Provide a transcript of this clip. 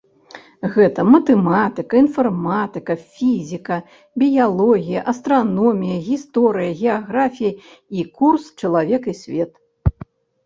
Гэта матэматыка, інфарматыка, фізіка, біялогія, астраномія, гісторыя, геаграфія і курс чалавек і свет.